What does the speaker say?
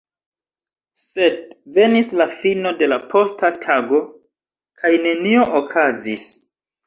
Sed venis la fino de la posta tago, kaj nenio okazis.